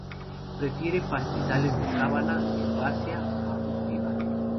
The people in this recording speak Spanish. Prefiere pastizales de sabana herbácea o arbustiva.